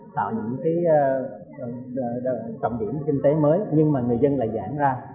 tạo những cái trọng điểm kinh tế mới nhưng mà người dân lại giãn ra